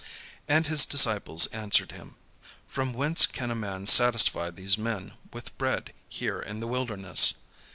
And his disciples answered him: "From whence can a man satisfy these men with bread here in the wilderness?"